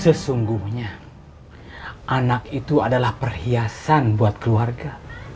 sesungguhnya anak itu adalah perhiasan buat keluarga